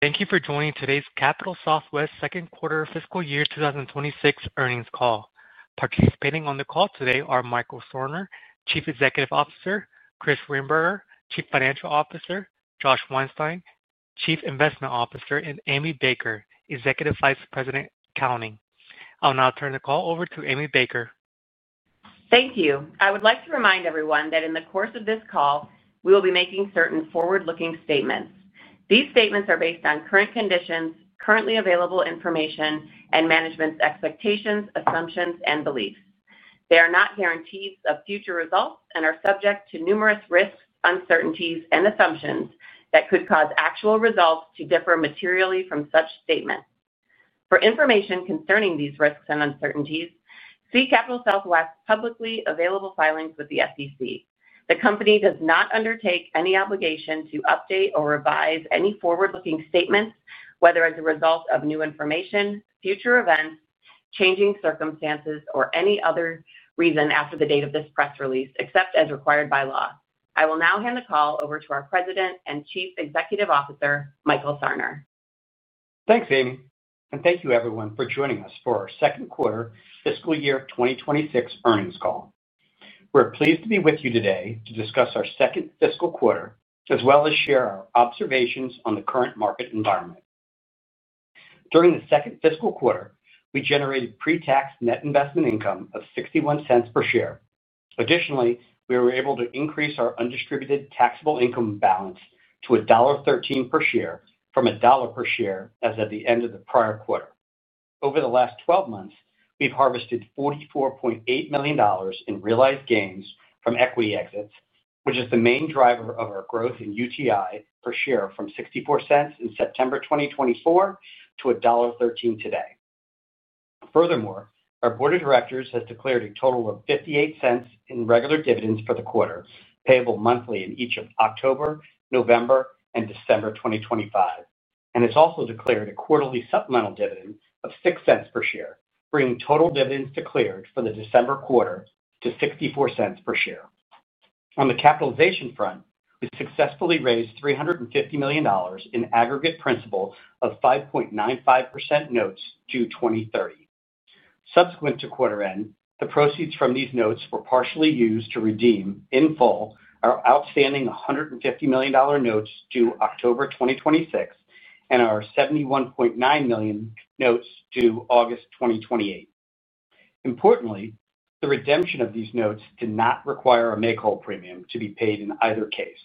Thank you for joining today's Capital Southwest Second Quarter Fiscal Year 2026 Earnings Call. Participating on the call today are Michael Sarner, Chief Executive Officer, Chris Rehberger, Chief Financial Officer, Josh Weinstein, Chief Investment Officer, and Amy Baker, Executive Vice President, Accounting. I'll now turn the call over to Amy Baker. Thank you. I would like to remind everyone that in the course of this call, we will be making certain forward-looking statements. These statements are based on current conditions, currently available information, and management's expectations, assumptions, and beliefs. They are not guarantees of future results and are subject to numerous risks, uncertainties, and assumptions that could cause actual results to differ materially from such statements. For information concerning these risks and uncertainties, see Capital Southwest publicly available filings with the SEC. The company does not undertake any obligation to update or revise any forward-looking statements, whether as a result of new information, future events, changing circumstances, or any other reason after the date of this press release, except as required by law. I will now hand the call over to our President and Chief Executive Officer, Michael Sarner. Thanks, Amy. And thank you, everyone, for joining us for our Second Quarter Fiscal Year 2026 Earnings Call. We're pleased to be with you today to discuss our second fiscal quarter, as well as share our observations on the current market environment. During the second fiscal quarter, we generated pre-tax net investment income of $0.61 per share. Additionally, we were able to increase our undistributed taxable income balance to $1.13 per share from $1 per share as at the end of the prior quarter. Over the last 12 months, we've harvested $44.8 million in realized gains from equity exits, which is the main driver of our growth in UTI per share from $0.64 in September 2024 to $1.13 today. Furthermore, our Board of Directors has declared a total of $0.58 in regular dividends for the quarter, payable monthly in each of October, November, and December 2025, and has also declared a quarterly supplemental dividend of $0.06 per share, bringing total dividends declared for the December quarter to $0.64 per share. On the capitalization front, we successfully raised $350 million in aggregate principal of 5.95% notes due 2030. Subsequent to quarter-end, the proceeds from these notes were partially used to redeem, in full, our outstanding $150 million notes due October 2026 and our $71.9 million notes due August 2028. Importantly, the redemption of these notes did not require a make-whole premium to be paid in either case.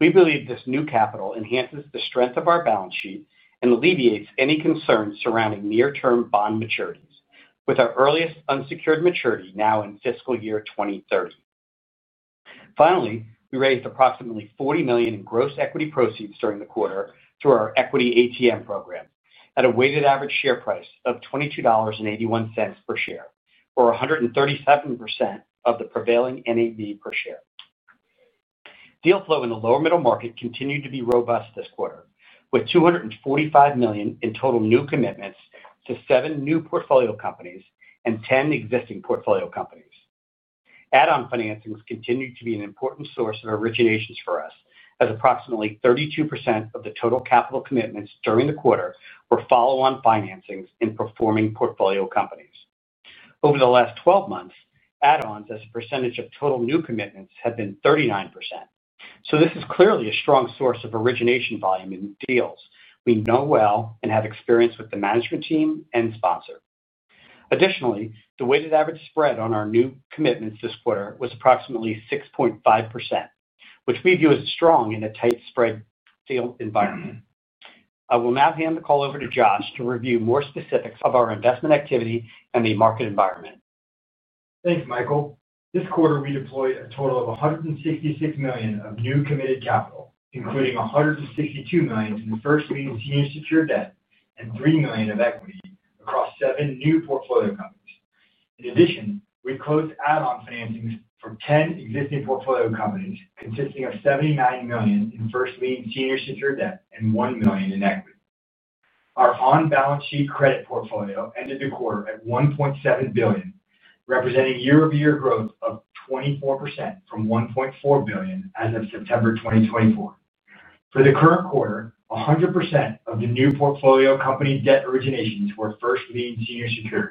We believe this new capital enhances the strength of our balance sheet and alleviates any concerns surrounding near-term bond maturities, with our earliest unsecured maturity now in fiscal year 2030. Finally, we raised approximately $40 million in gross equity proceeds during the quarter through our equity ATM program at a weighted average share price of $22.81 per share, or 137% of the prevailing NAV per share. Deal flow in the lower-middle market continued to be robust this quarter, with $245 million in total new commitments to seven new portfolio companies and 10 existing portfolio companies. Add-on financings continued to be an important source of originations for us, as approximately 32% of the total capital commitments during the quarter were follow-on financings in performing portfolio companies. Over the last 12 months, add-ons as a percentage of total new commitments have been 39%. So this is clearly a strong source of origination volume in deals we know well and have experience with the management team and sponsor. Additionally, the weighted average spread on our new commitments this quarter was approximately 6.5%, which we view as strong in a tight spread deal environment. I will now hand the call over to Josh to review more specifics of our investment activity and the market environment. Thanks, Michael. This quarter, we deployed a total of $166 million of new committed capital, including $162 million in first-lien senior secured debt and $3 million of equity across seven new portfolio companies. In addition, we closed add-on financings for 10 existing portfolio companies, consisting of $79 million in first-lien senior secured debt and $1 million in equity. Our on-balance sheet credit portfolio ended the quarter at $1.7 billion, representing year-over-year growth of 24% from $1.4 billion as of September 2024. For the current quarter, 100% of the new portfolio company debt originations were first-lien senior secured,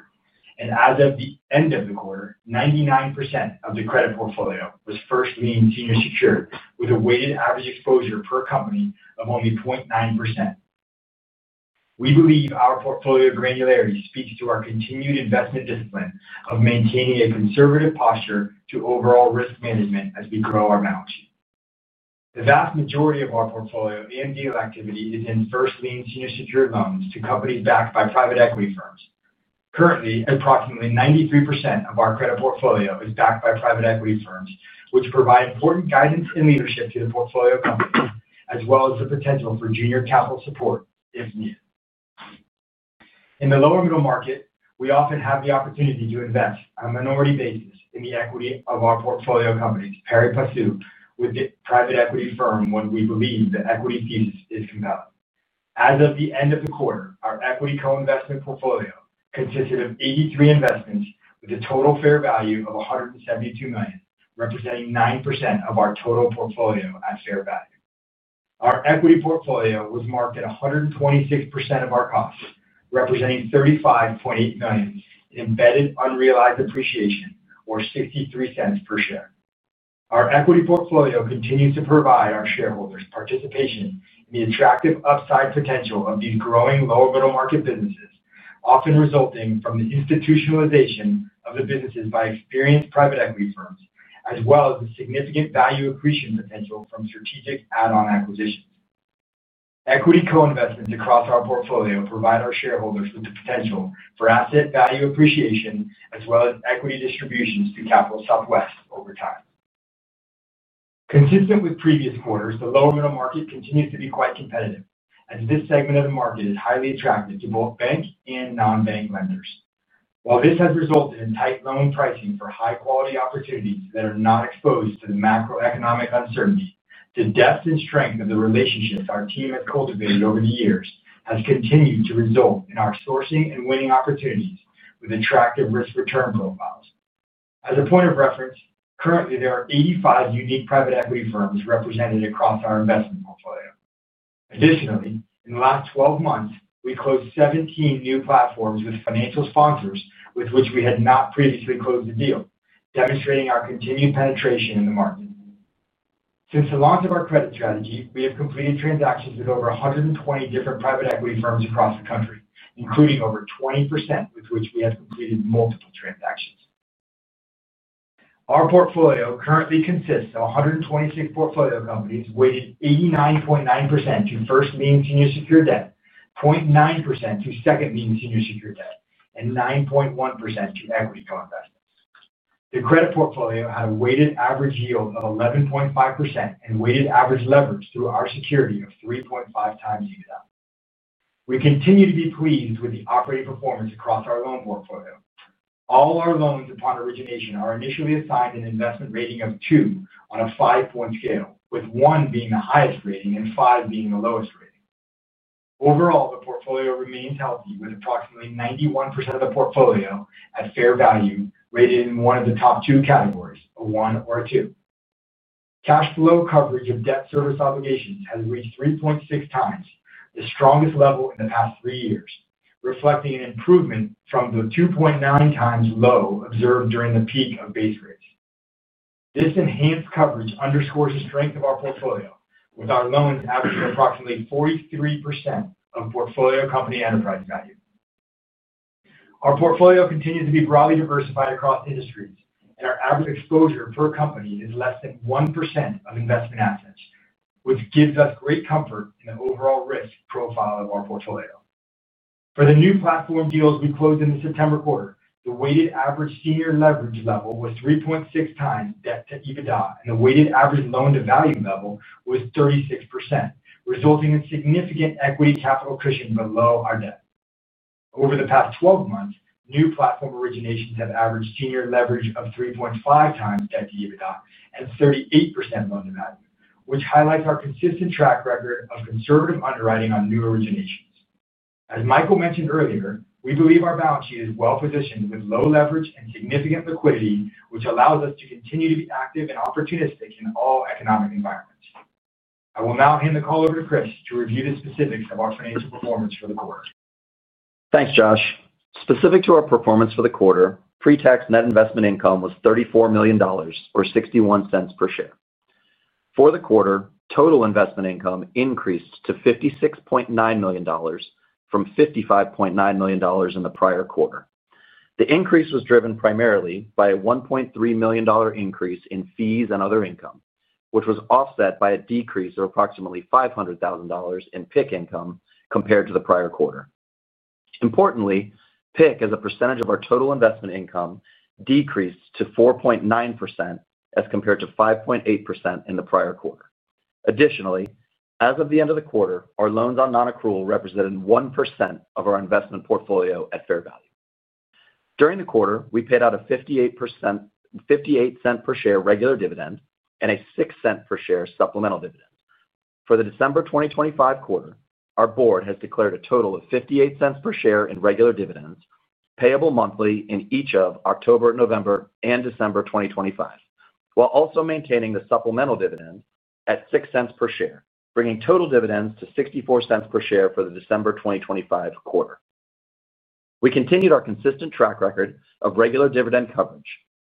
and as of the end of the quarter, 99% of the credit portfolio was first-lien senior secured, with a weighted average exposure per company of only 0.9%. We believe our portfolio granularity speaks to our continued investment discipline of maintaining a conservative posture to overall risk management as we grow our balance sheet. The vast majority of our portfolio and deal activity is in first-lien senior secured loans to companies backed by private equity firms. Currently, approximately 93% of our credit portfolio is backed by private equity firms, which provide important guidance and leadership to the portfolio companies, as well as the potential for junior capital support if needed. In the lower-middle market, we often have the opportunity to invest on a minority basis in the equity of our portfolio companies, pari passu, with the private equity firm. When we believe the equity thesis is compelling. As of the end of the quarter, our equity co-investment portfolio consisted of 83 investments, with a total fair value of $172 million, representing 9% of our total portfolio at fair value. Our equity portfolio was marked at 126% of our costs, representing $35.8 million in embedded unrealized appreciation, or $0.63 per share. Our equity portfolio continues to provide our shareholders participation in the attractive upside potential of these growing lower-middle market businesses, often resulting from the institutionalization of the businesses by experienced private equity firms, as well as the significant value accretion potential from strategic add-on acquisitions. Equity co-investments across our portfolio provide our shareholders with the potential for asset value appreciation, as well as equity distributions to Capital Southwest over time. Consistent with previous quarters, the lower-middle market continues to be quite competitive, as this segment of the market is highly attractive to both bank and non-bank lenders. While this has resulted in tight loan pricing for high-quality opportunities that are not exposed to the macroeconomic uncertainty, the depth and strength of the relationship our team has cultivated over the years has continued to result in our sourcing and winning opportunities with attractive risk-return profiles. As a point of reference, currently, there are 85 unique private equity firms represented across our investment portfolio. Additionally, in the last 12 months, we closed 17 new platforms with financial sponsors with which we had not previously closed a deal, demonstrating our continued penetration in the market. Since the launch of our credit strategy, we have completed transactions with over 120 different private equity firms across the country, including over 20% with which we have completed multiple transactions. Our portfolio currently consists of 126 portfolio companies weighted 89.9% to first-lien senior secured debt, 0.9% to second-lien senior secured debt, and 9.1% to equity co-investments. The credit portfolio had a weighted average yield of 11.5% and weighted average leverage through our security of 3.5 times EBITDA. We continue to be pleased with the operating performance across our loan portfolio. All our loans upon origination are initially assigned an investment rating of two on a five-point scale, with one being the highest rating and five being the lowest rating. Overall, the portfolio remains healthy, with approximately 91% of the portfolio at fair value rated in one of the top two categories, a one or a two. Cash flow coverage of debt service obligations has reached 3.6 times, the strongest level in the past three years, reflecting an improvement from the 2.9 times low observed during the peak of base rates. This enhanced coverage underscores the strength of our portfolio, with our loans averaging approximately 43% of portfolio company enterprise value. Our portfolio continues to be broadly diversified across industries, and our average exposure per company is less than 1% of investment assets, which gives us great comfort in the overall risk profile of our portfolio. For the new platform deals we closed in the September quarter, the weighted average senior leverage level was 3.6 times debt to EBITDA, and the weighted average loan-to-value level was 36%, resulting in significant equity capital cushion below our debt. Over the past 12 months, new platform originations have averaged senior leverage of 3.5 times debt to EBITDA and 38% loan-to-value, which highlights our consistent track record of conservative underwriting on new originations. As Michael mentioned earlier, we believe our balance sheet is well-positioned with low leverage and significant liquidity, which allows us to continue to be active and opportunistic in all economic environments. I will now hand the call over to Chris to review the specifics of our financial performance for the quarter. Thanks, Josh. Specific to our performance for the quarter, pre-tax net investment income was $34 million, or $0.61 per share. For the quarter, total investment income increased to $56.9 million from $55.9 million in the prior quarter. The increase was driven primarily by a $1.3 million increase in fees and other income, which was offset by a decrease of approximately $500,000 in PIC income compared to the prior quarter. Importantly, PIC, as a percentage of our total investment income, decreased to 4.9% as compared to 5.8% in the prior quarter. Additionally, as of the end of the quarter, our loans on non-accrual represented 1% of our investment portfolio at fair value. During the quarter, we paid out a $0.58 per share regular dividend and a $0.06 per share supplemental dividend. For the December 2025 quarter, our board has declared a total of $0.58 per share in regular dividends, payable monthly in each of October, November, and December 2025, while also maintaining the supplemental dividend at $0.06 per share, bringing total dividends to $0.64 per share for the December 2025 quarter. We continued our consistent track record of regular dividend coverage,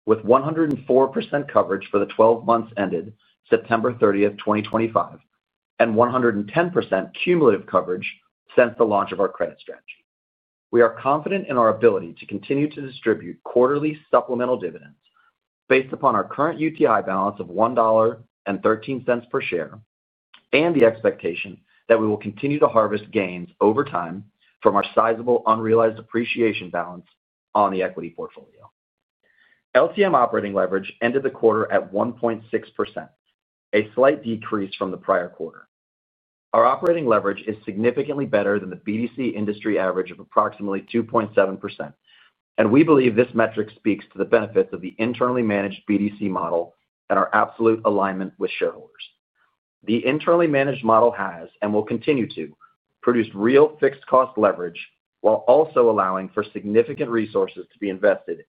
with 104% coverage for the 12 months ended September 30, 2025, and 110% cumulative coverage since the launch of our credit strategy. We are confident in our ability to continue to distribute quarterly supplemental dividends based upon our current UTI balance of $1.13 per share and the expectation that we will continue to harvest gains over time from our sizable unrealized appreciation balance on the equity portfolio. LTM operating leverage ended the quarter at 1.6%, a slight decrease from the prior quarter. Our operating leverage is significantly better than the BDC industry average of approximately 2.7%, and we believe this metric speaks to the benefits of the internally managed BDC model and our absolute alignment with shareholders. The internally managed model has and will continue to produce real fixed-cost leverage while also allowing for significant resources to be invested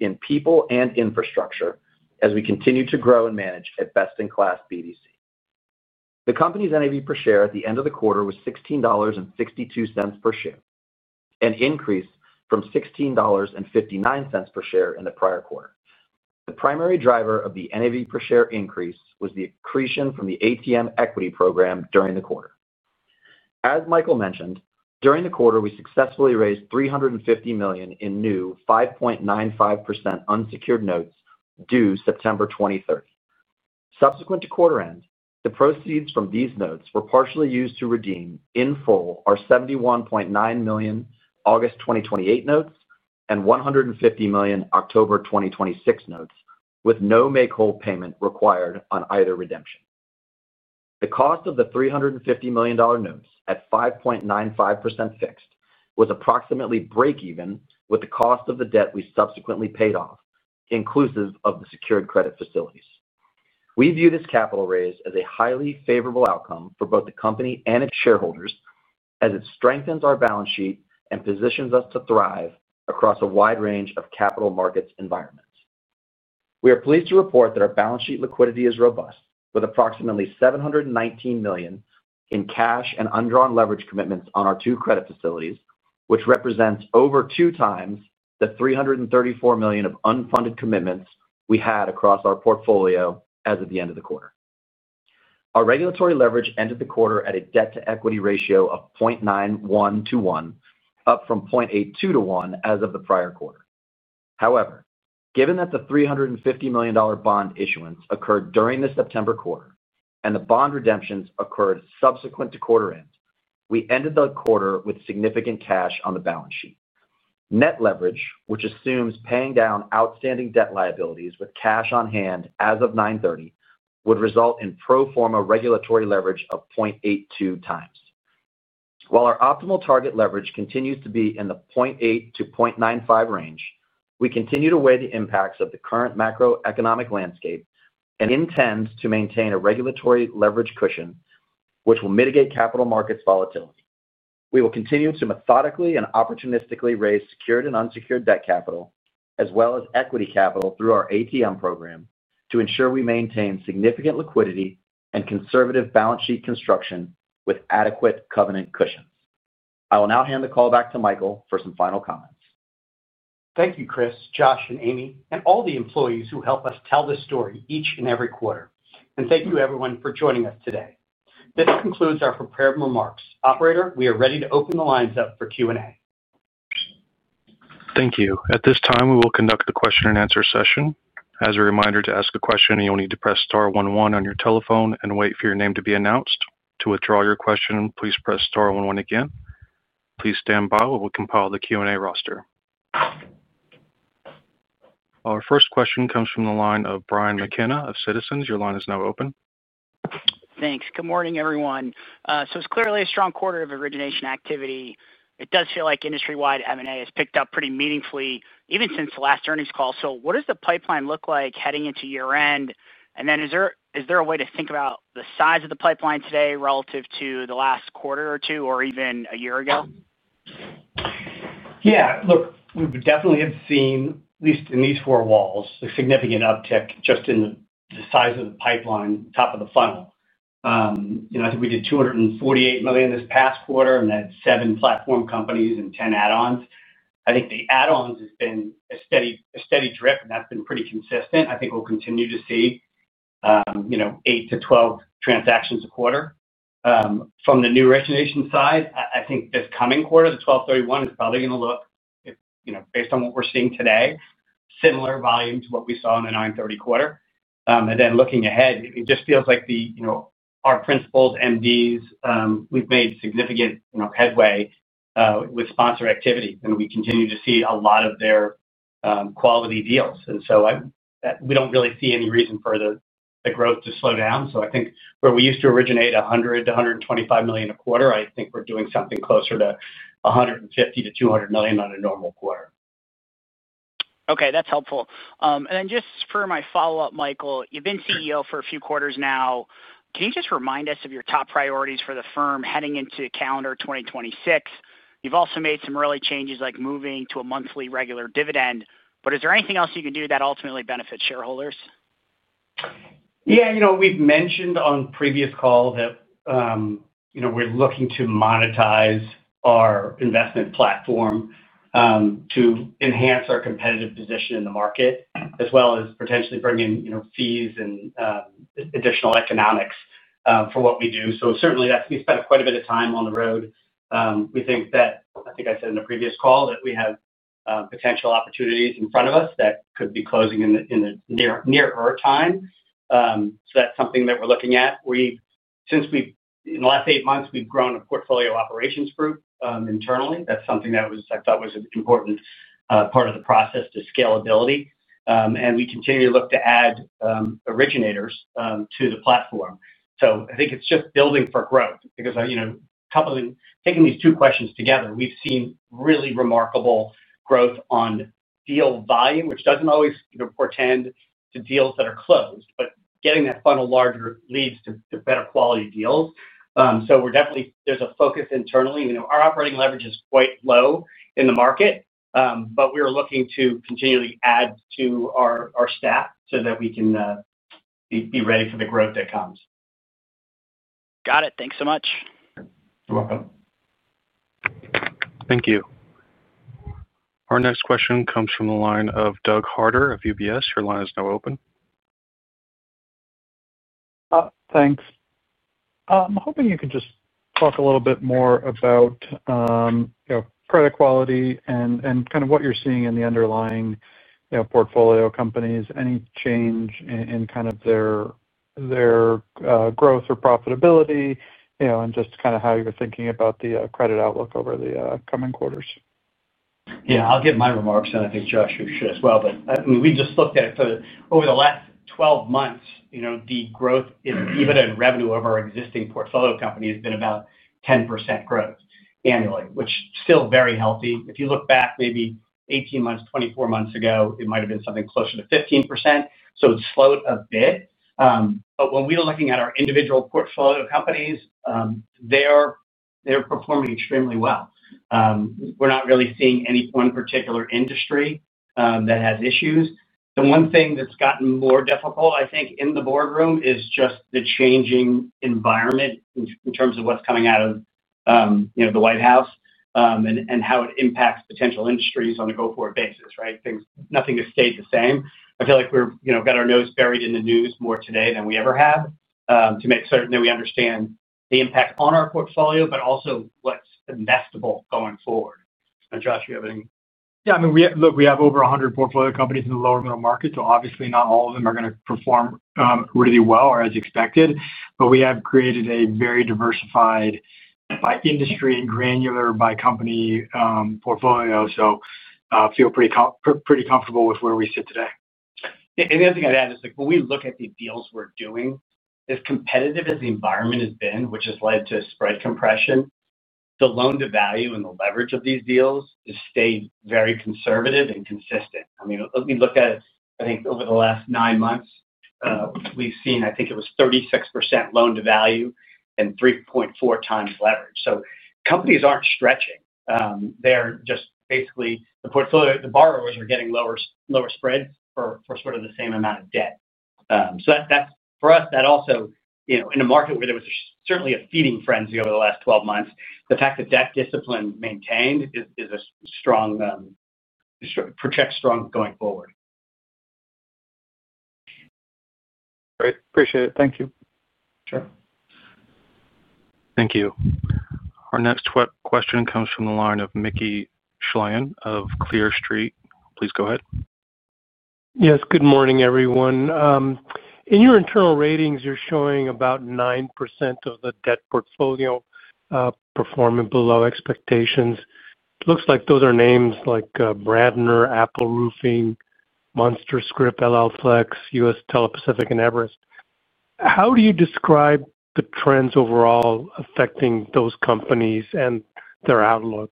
in people and infrastructure as we continue to grow and manage at best-in-class BDC. The company's NAV per share at the end of the quarter was $16.62 per share, an increase from $16.59 per share in the prior quarter. The primary driver of the NAV per share increase was the accretion from the ATM equity program during the quarter. As Michael mentioned, during the quarter, we successfully raised $350 million in new 5.95% unsecured notes due September 2030. Subsequent to quarter-end, the proceeds from these notes were partially used to redeem in full our $71.9 million August 2028 notes and $150 million October 2026 notes, with no make-whole payment required on either redemption. The cost of the $350 million notes at 5.95% fixed was approximately break-even with the cost of the debt we subsequently paid off, inclusive of the secured credit facilities. We view this capital raise as a highly favorable outcome for both the company and its shareholders, as it strengthens our balance sheet and positions us to thrive across a wide range of capital markets environments. We are pleased to report that our balance sheet liquidity is robust, with approximately $719 million in cash and undrawn leverage commitments on our two credit facilities, which represents over two times the $334 million of unfunded commitments we had across our portfolio as of the end of the quarter. Our regulatory leverage ended the quarter at a debt-to-equity ratio of 0.91 to one, up from 0.82 to one as of the prior quarter. However, given that the $350 million bond issuance occurred during the September quarter and the bond redemptions occurred subsequent to quarter-end, we ended the quarter with significant cash on the balance sheet. Net leverage, which assumes paying down outstanding debt liabilities with cash on hand as of 9/30, would result in pro forma regulatory leverage of 0.82 times. While our optimal target leverage continues to be in the 0.8 to 0.95 range, we continue to weigh the impacts of the current macroeconomic landscape and intend to maintain a regulatory leverage cushion, which will mitigate capital markets volatility. We will continue to methodically and opportunistically raise secured and unsecured debt capital, as well as equity capital, through our ATM program to ensure we maintain significant liquidity and conservative balance sheet construction with adequate covenant cushions. I will now hand the call back to Michael for some final comments. Thank you, Chris, Josh, and Amy, and all the employees who help us tell this story each and every quarter. And thank you, everyone, for joining us today. This concludes our prepared remarks. Operator, we are ready to open the lines up for Q&A. Thank you. At this time, we will conduct the question-and-answer session. As a reminder, to ask a question, you'll need to press star 11 on your telephone and wait for your name to be announced. To withdraw your question, please press star 11 again. Please stand by while we compile the Q&A roster. Our first question comes from the line of Brian McKenna of Citizens. Your line is now open. Thanks. Good morning, everyone. So it's clearly a strong quarter of origination activity. It does feel like industry-wide M&A has picked up pretty meaningfully, even since the last earnings call. So what does the pipeline look like heading into year-end? And then is there a way to think about the size of the pipeline today relative to the last quarter or two or even a year ago? Yeah. Look, we definitely have seen, at least in these four walls, a significant uptick just in the size of the pipeline, top of the funnel. I think we did $248 million this past quarter and had seven platform companies and 10 add-ons. I think the add-ons has been a steady drip, and that's been pretty consistent. I think we'll continue to see 8-2 transactions a quarter. From the new origination side, I think this coming quarter, the 12/31, is probably going to look, based on what we're seeing today, similar volume to what we saw in the 9/30 quarter. And then looking ahead, it just feels like our principals, MDs, we've made significant headway with sponsor activity, and we continue to see a lot of their quality deals. We don't really see any reason for the growth to slow down. I think where we used to originate $100-$125 million a quarter, I think we're doing something closer to $150-$200 million on a normal quarter. Okay. That's helpful. And then just for my follow-up, Michael, you've been CEO for a few quarters now. Can you just remind us of your top priorities for the firm heading into calendar 2026? You've also made some early changes, like moving to a monthly regular dividend. But is there anything else you can do that ultimately benefits shareholders? Yeah. We've mentioned on previous calls that we're looking to monetize our investment platform to enhance our competitive position in the market, as well as potentially bring in fees and additional economics for what we do. So certainly, we spent quite a bit of time on the road. We think that, I think I said in a previous call, that we have potential opportunities in front of us that could be closing in the nearer time. So that's something that we're looking at. Since we in the last eight months we've grown a portfolio operations group internally. That's something that I thought was an important part of the process to scalability, and we continue to look to add originators to the platform. So I think it's just building for growth because taking these two questions together, we've seen really remarkable growth on deal volume, which doesn't always portend to deals that are closed, but getting that funnel larger leads to better quality deals, so definitely, there's a focus internally. Our operating leverage is quite low in the market, but we are looking to continually add to our staff so that we can be ready for the growth that comes. Got it. Thanks so much. Thank you. Our next question comes from the line of Doug Harter of UBS. Your line is now open. Thanks. I'm hoping you could just talk a little bit more about credit quality and kind of what you're seeing in the underlying portfolio companies, any change in kind of their growth or profitability, and just kind of how you're thinking about the credit outlook over the coming quarters. Yeah. I'll give my remarks, and I think Josh should as well. But we just looked at it. So over the last 12 months, the growth in dividend revenue of our existing portfolio company has been about 10% growth annually, which is still very healthy. If you look back maybe 18 months, 24 months ago, it might have been something closer to 15%. So it's slowed a bit. But when we are looking at our individual portfolio companies, they're performing extremely well. We're not really seeing any one particular industry that has issues. The one thing that's gotten more difficult, I think, in the boardroom is just the changing environment in terms of what's coming out of the White House and how it impacts potential industries on a go-forward basis, right? Nothing has stayed the same. I feel like we've got our nose buried in the news more today than we ever have to make certain that we understand the impact on our portfolio, but also what's investable going forward. Josh, do you have any? Yeah. I mean, look, we have over 100 portfolio companies in the lower middle market. So obviously, not all of them are going to perform really well or as expected. But we have created a very diversified by industry and granular by company portfolio. So I feel pretty comfortable with where we sit today. The other thing I'd add is when we look at the deals we're doing, as competitive as the environment has been, which has led to spread compression, the loan-to-value and the leverage of these deals has stayed very conservative and consistent. I mean, let me look at it. I think over the last nine months. We've seen, I think it was 36% loan-to-value and 3.4 times leverage. So companies aren't stretching. They're just basically, the borrowers are getting lower spreads for sort of the same amount of debt. So for us, that also, in a market where there was certainly a feeding frenzy over the last 12 months, the fact that debt discipline maintained is a strong protector going forward. Great. Appreciate it. Thank you. Sure. Thank you. Our next question comes from the line of Mickey Schleien of Clear Street. Please go ahead. Yes. Good morning, everyone. In your internal ratings, you're showing about 9% of the debt portfolio performing below expectations. It looks like those are names like Bradner, Apple Roofing, Monster Script, LL Flex, US Telepacific, and Everest. How do you describe the trends overall affecting those companies and their outlook?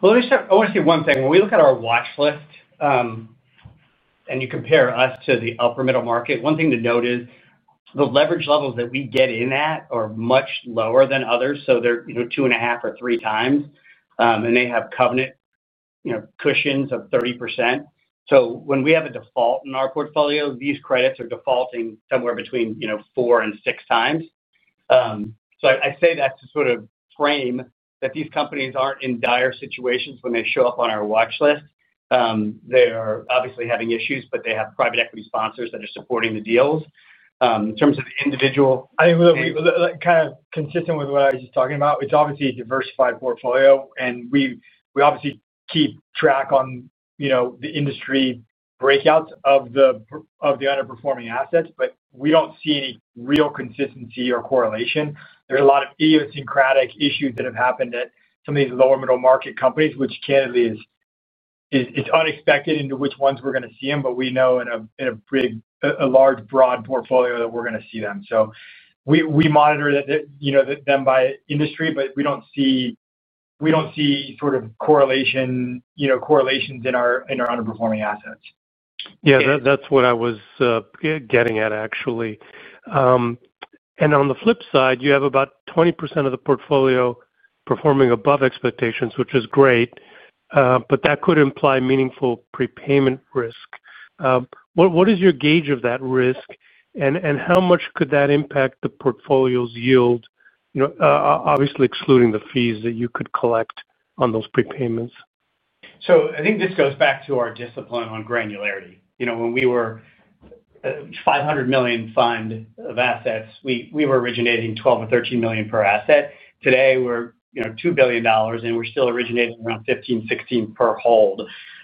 Let me start. I want to say one thing. When we look at our watch list, and you compare us to the upper middle market, one thing to note is the leverage levels that we get in at are much lower than others, so they're two and a half or three times, and they have covenant cushions of 30%, so when we have a default in our portfolio, these credits are defaulting somewhere between four and six times, so I say that to sort of frame that these companies aren't in dire situations when they show up on our watch list. They are obviously having issues, but they have private equity sponsors that are supporting the deals. In terms of the individual. I think that's kind of consistent with what I was just talking about. It's obviously a diversified portfolio, and we obviously keep track of the industry breakdowns of the underperforming assets, but we don't see any real consistency or correlation. There's a lot of idiosyncratic issues that have happened at some of these lower-middle-market companies, which candidly is unexpected into which ones we're going to see them, but we know in a big, large, broad portfolio that we're going to see them, so we monitor them by industry, but we don't see sort of correlations in our underperforming assets. Yeah. That's what I was getting at, actually. And on the flip side, you have about 20% of the portfolio performing above expectations, which is great. But that could imply meaningful prepayment risk. What is your gauge of that risk? And how much could that impact the portfolio's yield? Obviously, excluding the fees that you could collect on those prepayments. So I think this goes back to our discipline on granularity. When we were a $500 million fund of assets, we were originating $12-$13 million per asset. Today, we're $2 billion, and we're still originating around $15-$16 per hold.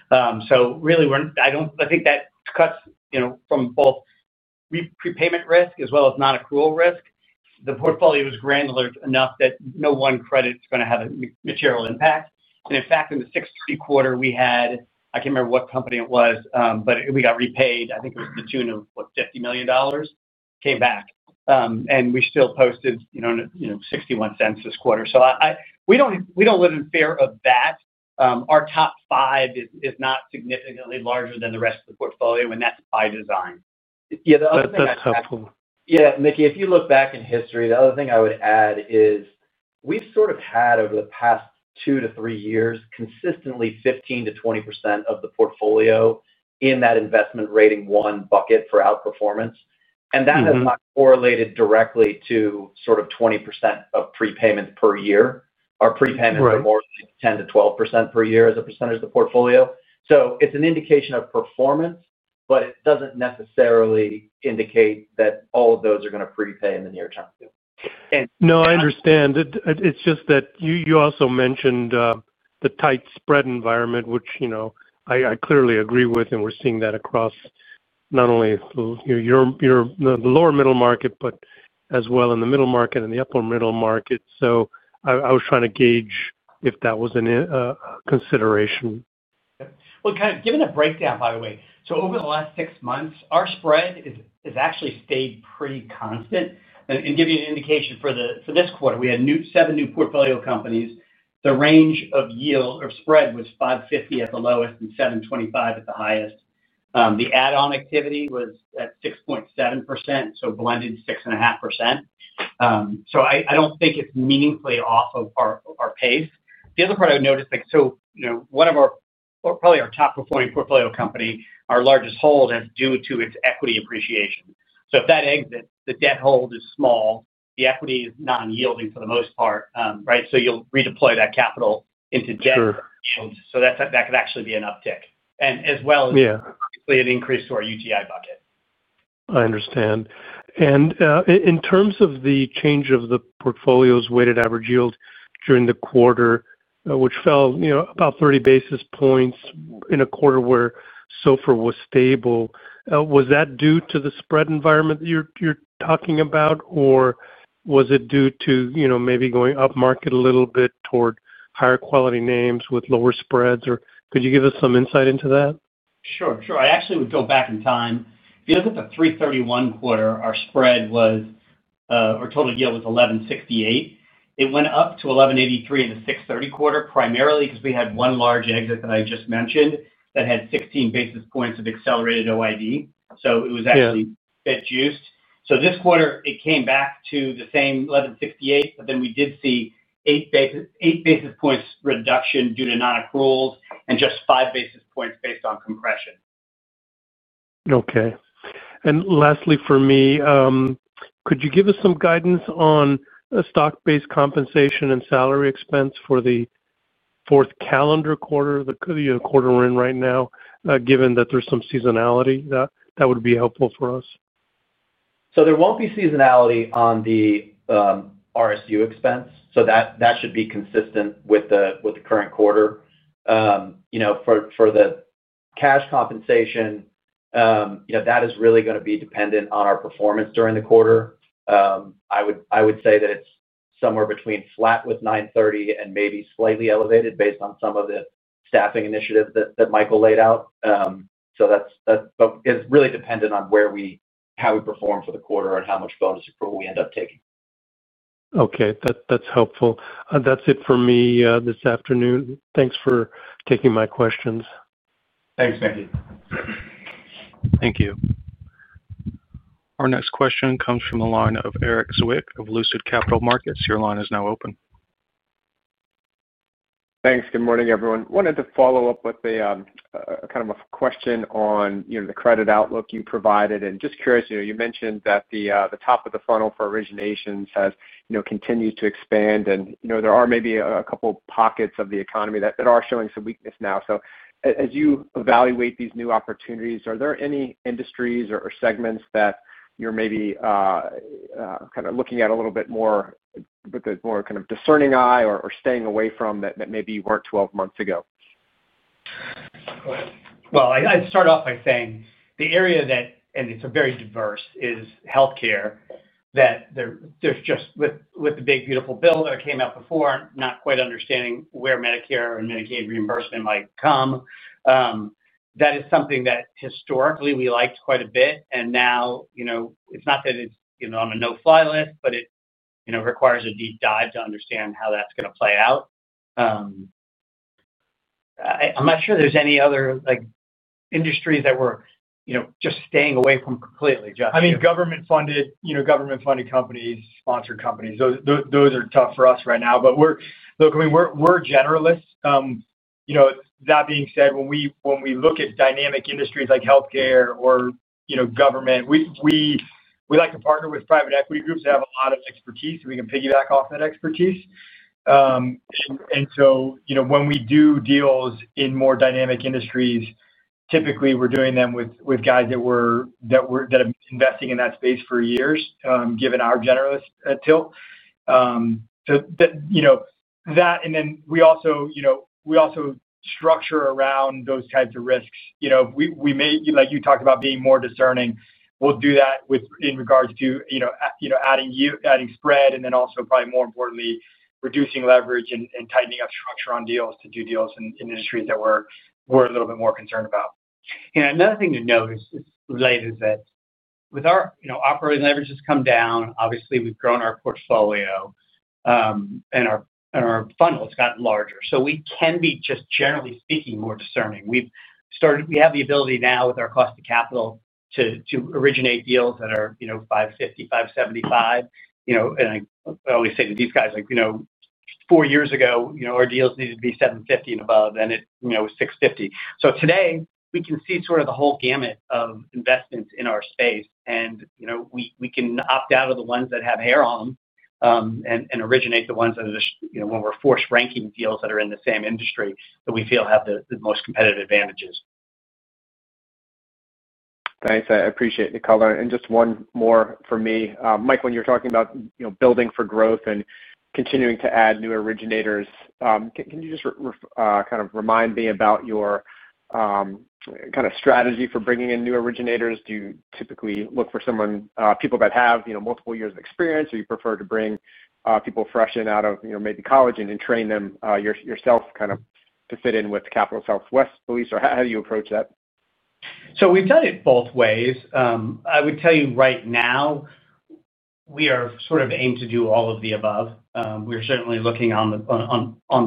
So really, I think that cuts from both prepayment risk as well as non-accrual risk. The portfolio is granular enough that no one credit is going to have a material impact. And in fact, in the third quarter, we had, I can't remember what company it was, but we got repaid to the tune of, what, $50 million. Came back. And we still posted $0.61 this quarter. So we don't live in fear of that. Our top five is not significantly larger than the rest of the portfolio, and that's by design. That's helpful. Yeah. Mickey, if you look back in history, the other thing I would add is we've sort of had over the past two to three years consistently 15%-20% of the portfolio in that investment rating one bucket for outperformance. And that has not correlated directly to sort of 20% of prepayments per year. Our prepayments are more like 10%-12% per year as a percentage of the portfolio. So it's an indication of performance, but it doesn't necessarily indicate that all of those are going to prepay in the near term. No, I understand. It's just that you also mentioned the tight spread environment, which I clearly agree with, and we're seeing that across not only the lower middle market, but as well in the middle market and the upper middle market. So I was trying to gauge if that was a consideration. Given a breakdown, by the way, so over the last six months, our spread has actually stayed pretty constant. Give you an indication for this quarter, we had seven new portfolio companies. The range of yield or spread was $5.50 at the lowest and $7.25 at the highest. The add-on activity was at 6.7%, so blended 6.5%. I don't think it's meaningfully off of our pace. The other part I would note is so one of our, probably our top-performing portfolio company, our largest hold, has due to its equity appreciation. If that exits, the debt hold is small. The equity is non-yielding for the most part, right? You'll redeploy that capital into debt yield. That could actually be an uptick, as well as obviously an increase to our UTI bucket. I understand. And in terms of the change of the portfolio's weighted average yield during the quarter, which fell about 30 basis points in a quarter where SOFR was stable, was that due to the spread environment that you're talking about, or was it due to maybe going up market a little bit toward higher quality names with lower spreads? Or could you give us some insight into that? Sure. Sure. I actually would go back in time. If you look at the 3/31 quarter, our spread was. Our total yield was $11.68. It went up to $11.83 in the 6/30 quarter, primarily because we had one large exit that I just mentioned that had 16 basis points of accelerated OID. So it was actually bit juiced. So this quarter, it came back to the same $11.68, but then we did see eight basis points reduction due to non-accruals and just five basis points based on compression. Okay, and lastly, for me, could you give us some guidance on stock-based compensation and salary expense for the fourth calendar quarter, the quarter we're in right now, given that there's some seasonality? That would be helpful for us. So there won't be seasonality on the RSU expense. So that should be consistent with the current quarter. For the cash compensation. That is really going to be dependent on our performance during the quarter. I would say that it's somewhere between flat with 930 and maybe slightly elevated based on some of the staffing initiatives that Michael laid out. So that's really dependent on how we perform for the quarter and how much bonus accrual we end up taking. Okay. That's helpful. That's it for me this afternoon. Thanks for taking my questions. Thanks, Mickey. Thank you. Our next question comes from the line of Eric Zwick of Lucid Capital Markets. Your line is now open. Thanks. Good morning, everyone. Wanted to follow up with kind of a question on the credit outlook you provided. And just curious, you mentioned that the top of the funnel for originations has continued to expand. And there are maybe a couple of pockets of the economy that are showing some weakness now. So as you evaluate these new opportunities, are there any industries or segments that you're maybe kind of looking at a little bit more with a more kind of discerning eye or staying away from that maybe weren't 12 months ago? I'd start off by saying the area that, and it's very diverse, is healthcare, that there's just, with the big, beautiful bill that came out before, not quite understanding where Medicare and Medicaid reimbursement might come. That is something that historically we liked quite a bit. And now. It's not that it's on a no-fly list, but it requires a deep dive to understand how that's going to play out. I'm not sure there's any other industries that we're just staying away from completely, Josh. I mean, government-funded companies, sponsored companies, those are tough for us right now, but look, I mean, we're a generalist. That being said, when we look at dynamic industries like healthcare or government. We like to partner with private equity groups that have a lot of expertise, so we can piggyback off that expertise, and so when we do deals in more dynamic industries, typically, we're doing them with guys that have been investing in that space for years, given our generalist tilt. So that and then we also structure around those types of risks. Like you talked about being more discerning, we'll do that in regards to adding spread and then also, probably more importantly, reducing leverage and tightening up structure on deals to do deals in industries that we're a little bit more concerned about. Yeah. Another thing to note related is that with our operating leverage has come down, obviously, we've grown our portfolio. And our funnel has gotten larger. So we can be, just generally speaking, more discerning. We have the ability now with our cost of capital to originate deals that are $550, $575. And I always say to these guys, like, four years ago, our deals needed to be $750 and above, and it was $650. So today, we can see sort of the whole gamut of investments in our space. And we can opt out of the ones that have hair on them. And originate the ones that are just, when we're forced ranking deals that are in the same industry that we feel have the most competitive advantages. Thanks. I appreciate the color. And just one more for me. Mike, when you're talking about building for growth and continuing to add new originators, can you just kind of remind me about your kind of strategy for bringing in new originators? Do you typically look for people that have multiple years of experience, or do you prefer to bring people fresh in out of maybe college and train them yourself kind of to fit in with Capital Southwest culture? Or how do you approach that? So we've done it both ways. I would tell you right now. We are sort of aimed to do all of the above. We're certainly looking on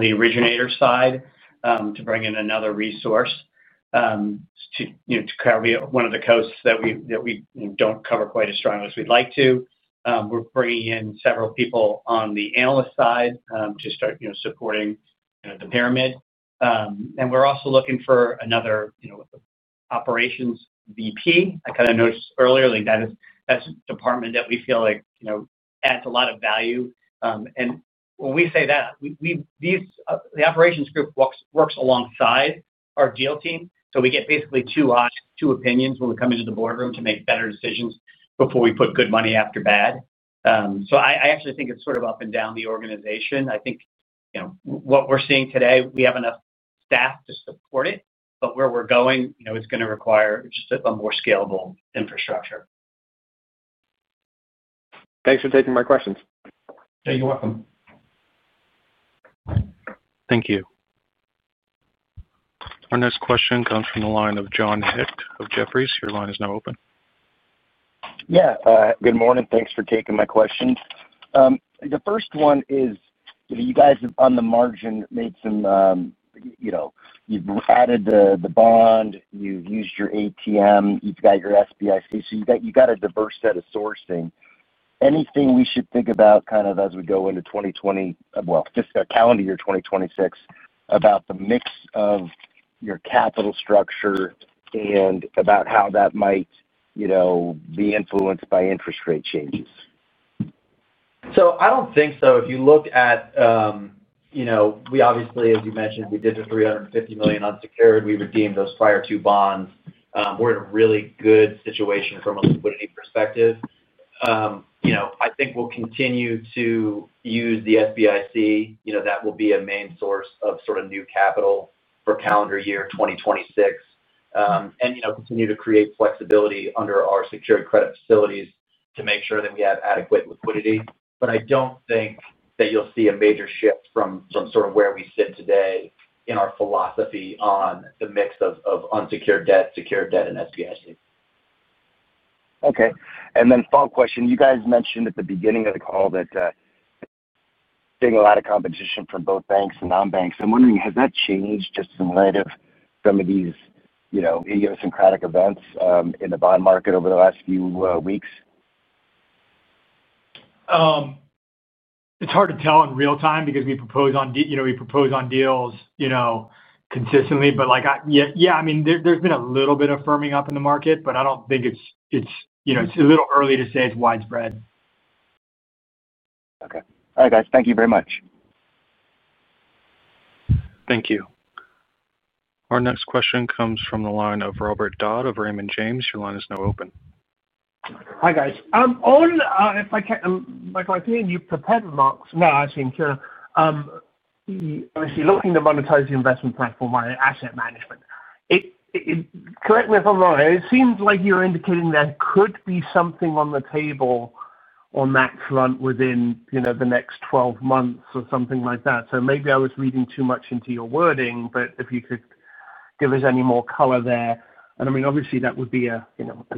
the originator side to bring in another resource to cover one of the coasts that we don't cover quite as strongly as we'd like to. We're bringing in several people on the analyst side to start supporting the pipeline. And we're also looking for another operations VP. I kind of noticed earlier that that's a department that we feel like adds a lot of value. And when we say that, the operations group works alongside our deal team. So we get basically two eyes, two opinions when we come into the boardroom to make better decisions before we put good money after bad. So I actually think it's sort of up and down the organization. I think what we're seeing today, we have enough staff to support it. But where we're going, it's going to require just a more scalable infrastructure. Thanks for taking my questions. No, you're welcome. Thank you. Our next question comes from the line of John Hick of Jefferies. Your line is now open. Yeah. Good morning. Thanks for taking my questions. The first one is. You guys on the margin made some. You've added the bond. You've used your ATM. You've got your SBI. So you've got a diverse set of sourcing. Anything we should think about kind of as we go into 2020, well, just a calendar year 2026, about the mix of your capital structure and about how that might be influenced by interest rate changes? So I don't think so. If you look at. We obviously, as you mentioned, we did the $350 million unsecured. We redeemed those prior two bonds. We're in a really good situation from a liquidity perspective. I think we'll continue to use the SBIC. That will be a main source of sort of new capital for calendar year 2026. And continue to create flexibility under our secured credit facilities to make sure that we have adequate liquidity. But I don't think that you'll see a major shift from sort of where we sit today in our philosophy on the mix of unsecured debt, secured debt, and SBIC. Okay. And then follow-up question. You guys mentioned at the beginning of the call that there's been a lot of competition from both banks and non-banks. I'm wondering, has that changed just in light of some of these idiosyncratic events in the bond market over the last few weeks? It's hard to tell in real time because we propose on deals consistently. But yeah, I mean, there's been a little bit of firming up in the market, but I don't think it's a little early to say it's widespread. Okay. All right, guys. Thank you very much. Thank you. Our next question comes from the line of Robert Dodd of Raymond James. Your line is now open. Hi, guys. If I can, my team prepared remarks. No, actually, I'm curious. Obviously looking to monetize the investment platform via asset management. Correct me if I'm wrong, it seems like you're indicating there could be something on the table on that front within the next 12 months or something like that. So maybe I was reading too much into your wording, but if you could give us any more color there. And I mean, obviously, that would be an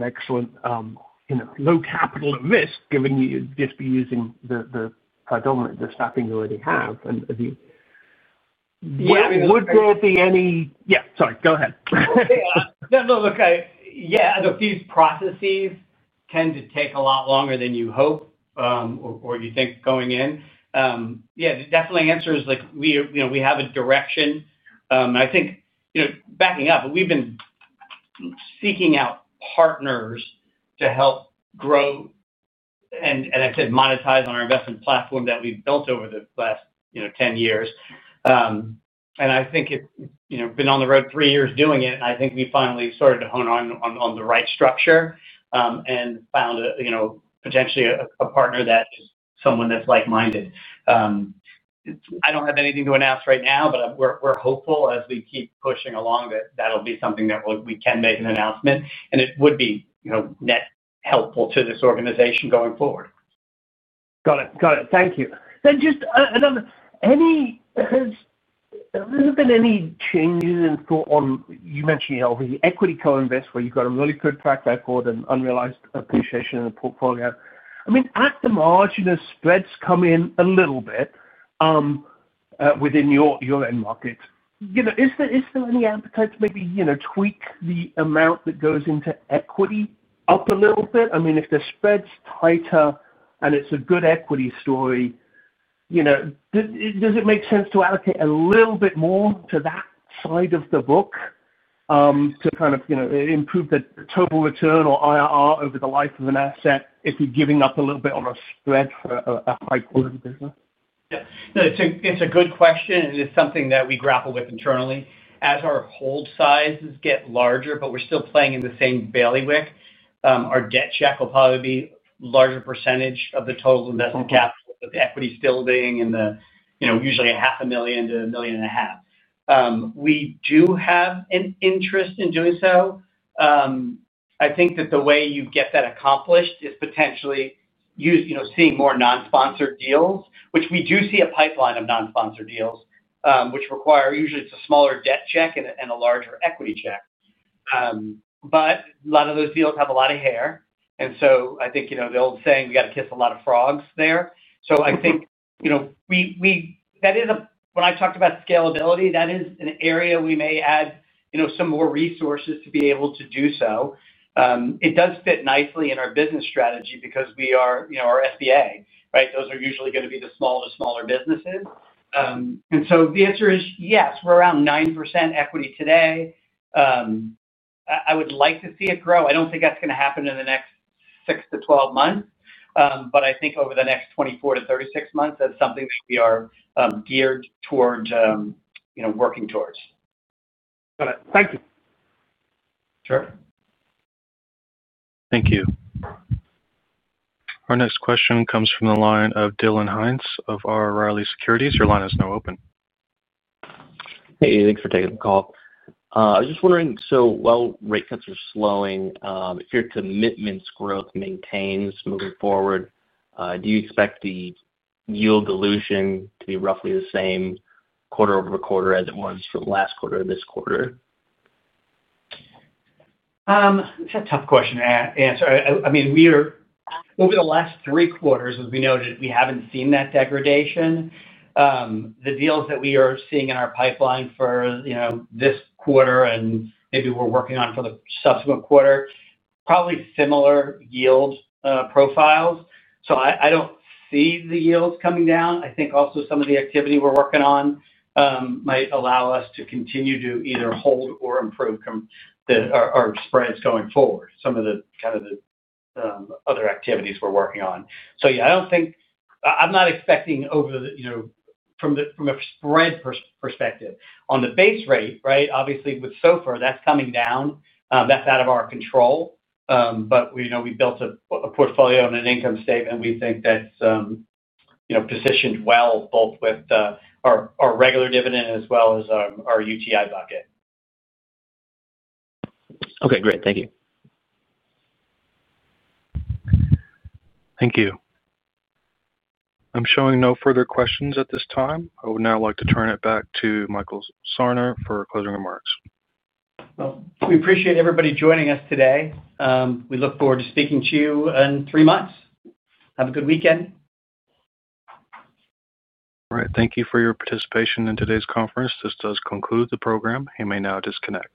excellent low capital risk, given you'd just be using the staffing you already have. And would there be any? Yeah, sorry, go ahead. Yeah. No, no, okay. Yeah. These processes tend to take a lot longer than you hope or you think going in. Yeah, definitely. Answers like we have a direction. And I think, backing up, we've been seeking out partners to help grow and, as I said, monetize our investment platform that we've built over the last 10 years. And I think it's been on the road three years doing it. And I think we finally started to hone in on the right structure and found potentially a partner that is someone that's like-minded. I don't have anything to announce right now, but we're hopeful as we keep pushing along that that'll be something that we can make an announcement, and it would be net helpful to this organization going forward. Got it. Got it. Thank you. Then just another. Has there been any changes in thought on. You mentioned already equity co-invest where you've got a really good track record and unrealized appreciation in the portfolio. I mean, at the margin, the spreads come in a little bit. Within your end market. Is there any appetite to maybe tweak the amount that goes into equity up a little bit? I mean, if the spread's tighter and it's a good equity story. Does it make sense to allocate a little bit more to that side of the book. To kind of improve the total return or IRR over the life of an asset if you're giving up a little bit on a spread for a high-quality business? Yeah. No, it's a good question. And it's something that we grapple with internally. As our hold sizes get larger, but we're still playing in the same bailiwick, our debt check will probably be a larger percentage of the total investment capital with the equity still being in the usually $500,000-$1.5 million. We do have an interest in doing so. I think that the way you get that accomplished is potentially seeing more non-sponsored deals, which we do see a pipeline of non-sponsored deals, which require usually it's a smaller debt check and a larger equity check. But a lot of those deals have a lot of hair. And so I think the old saying, we got to kiss a lot of frogs there. So I think that is a, when I talked about scalability, that is an area we may add some more resources to be able to do so. It does fit nicely in our business strategy because we are our SBA, right? Those are usually going to be the smaller, smaller businesses. And so the answer is yes, we're around 9% equity today. I would like to see it grow. I don't think that's going to happen in the next 6 to 12 months. But I think over the next 24 to 36 months, that's something that we are geared towards working towards. Got it. Thank you. Sure. Thank you. Our next question comes from the line of Dylan Hines of RRLE Securities. Your line is now open. Hey, thanks for taking the call. I was just wondering, so while rate cuts are slowing, if your commitments growth maintains moving forward. Do you expect the yield dilution to be roughly the same quarter over quarter as it was from last quarter to this quarter? It's a tough question to answer. I mean, over the last three quarters, as we noted, we haven't seen that degradation. The deals that we are seeing in our pipeline for this quarter and maybe we're working on for the subsequent quarter, probably similar yield profiles. So I don't see the yields coming down. I think also some of the activity we're working on might allow us to continue to either hold or improve our spreads going forward, some of the kind of the other activities we're working on. So yeah, I don't think I'm not expecting over the from a spread perspective. On the base rate, right, obviously with SOFR, that's coming down. That's out of our control. But we built a portfolio and an income statement we think that's positioned well, both with our regular dividend as well as our UTI bucket. Okay, great. Thank you. Thank you. I'm showing no further questions at this time. I would now like to turn it back to Michael Sarner for closing remarks. We appreciate everybody joining us today. We look forward to speaking to you in three months. Have a good weekend. All right. Thank you for your participation in today's conference. This does conclude the program. You may now disconnect.